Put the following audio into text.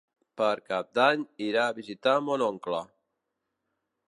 Per Cap d'Any irà a visitar mon oncle.